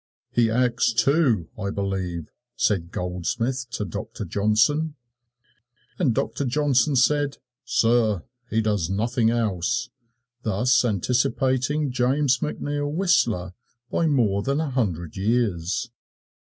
"He acts, too, I believe," said Goldsmith to Doctor Johnson. And Doctor Johnson said, "Sir, he does nothing else," thus anticipating James McNeil Whistler by more than a hundred years.